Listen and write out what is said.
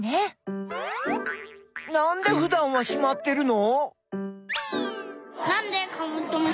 なんでふだんはしまってるの？